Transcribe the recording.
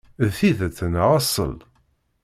D tidet neɣ aṣṣel?